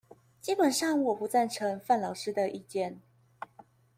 基本上我不贊成范老師的意見